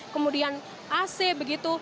kemudian ac begitu